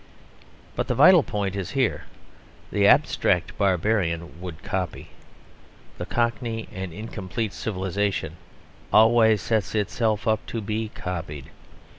But the vital point is here. The abstract barbarian would copy. The cockney and incomplete civilisation always sets itself up to be copied.